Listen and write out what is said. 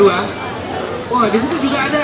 wah disitu juga ada